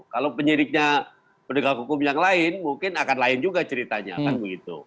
kalau penyidiknya penegak hukum yang lain mungkin akan lain juga ceritanya kan begitu